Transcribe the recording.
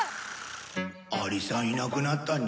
アリさんいなくなったね。